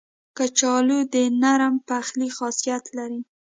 کچالو د نرم پخلي خاصیت لري